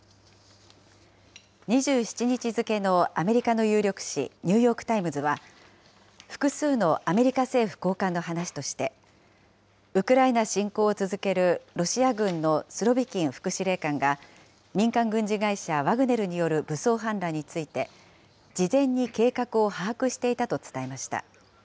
２７日付のアメリカの有力紙、ニューヨーク・タイムズは、複数のアメリカ政府高官の話として、ウクライナ侵攻を続けるロシア軍のスロビキン副司令官が民間軍事会社、ワグネルによる武装反乱について、事前に計画を把握していたと伝えました。